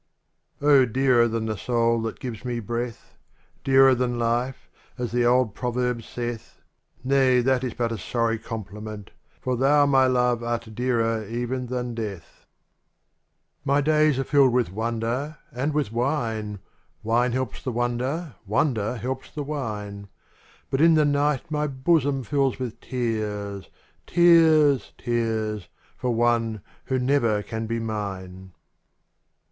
n ^^M DEARER than the soul that gives me ^^3^ breath. Dearer than life, as the old proverb saith, — Nay, that is but a sorry compliment : For thou, my love, art dearer even than death. days are filled with wonder and witK wine, — Wine helps the wonder, wonder helps the wine — But in the night my bosom fills with tears. Tears, tears, for one who never can be mine.